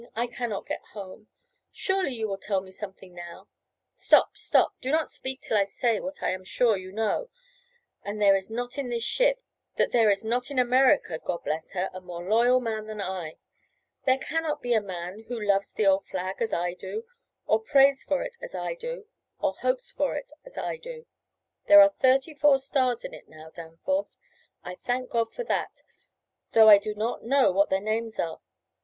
I cannot get home. Surely you will tell me something now? Stop! stop! Do not speak till I say what I am sure you know, that there is not in this ship, that there is not in America God bless her! a more loyal man than I. There cannot be a man who loves the old flag as I do, or prays for it as I do, or hopes for it as I do. There are thirty four stars in it now, Danforth. I thank God for that, though I do not know what their names are.